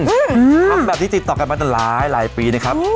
ทำแบบนี้ติดต่อกันมาตั้งหลายปีนะครับ